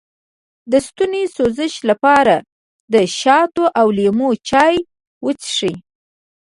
د ستوني د سوزش لپاره د شاتو او لیمو چای وڅښئ